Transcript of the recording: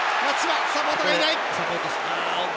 サポートがいない。